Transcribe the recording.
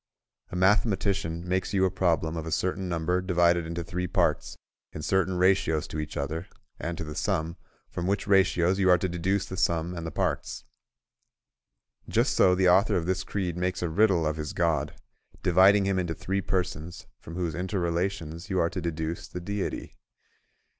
A mathematician makes you a problem of a certain number divided into three parts in certain ratios to each other and to the sum, from which ratios you are to deduce the sum and the parts. Just so the author of this creed makes a riddle of his God, dividing him into three persons, from whose inter relations you are to deduce the Deity.